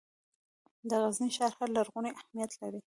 د غزني ښار هم لرغونی اهمیت لري.